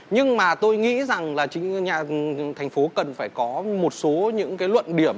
nhưng mà tôi nghĩ rằng là chính nhà thành phố cần phải có một số những cái luận điểm